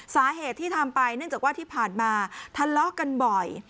สาเหตุที่ทำไปเนื่องจากว่าที่ผ่านมาทะเลาะกันบ่อย